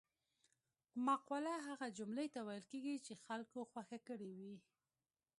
مقوله هغه جملې ته ویل کیږي چې خلکو خوښه کړې وي